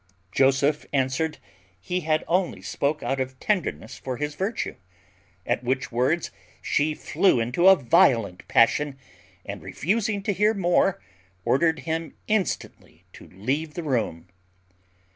Joseph answered, he had only spoke out of tenderness for his virtue; at which words she flew into a violent passion, and refusing to hear more, ordered him instantly to leave the room.